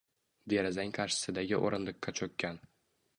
Derazang qarshisidagi o’rindiqqa cho’kkan